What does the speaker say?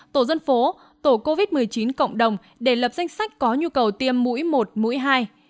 tổ dân phố tổ covid một mươi chín cộng đồng để lập danh sách có nhu cầu tiêm mũi một mũi hai